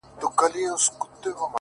دغه اوږده شپه تر سهاره څنگه تېره كړمه ،